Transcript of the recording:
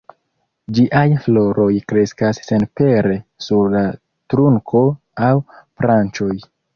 Ĝiaj floroj kreskas senpere sur la trunko aŭ branĉoj.